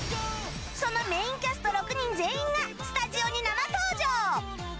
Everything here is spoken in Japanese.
そのメインキャスト６人全員がスタジオに生登場！